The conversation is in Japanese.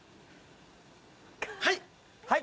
はい。